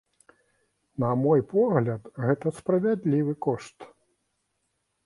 На мой погляд, гэта справядлівы кошт.